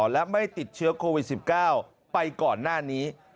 และไม่ติดเชื้อโควิด๑๙ไปก่อนหน้านี้